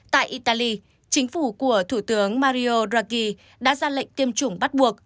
tại italy chính phủ của thủ tướng mario dragi đã ra lệnh tiêm chủng bắt buộc